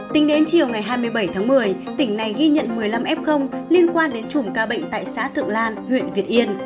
tính đến chiều ngày hai mươi bảy tháng một mươi tỉnh này ghi nhận một mươi năm f liên quan đến chùm ca bệnh tại xã thượng lan huyện việt yên